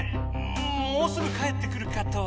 もうすぐ帰ってくるかと。